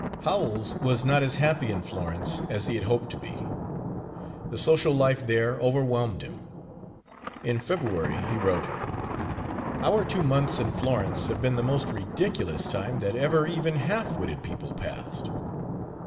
Howells was not as happy in Florence as he had hoped to be. The social life there overwhelmed him. In February he wrote: "Our two months in Florence have been the most ridiculous time that ever even half witted people passed.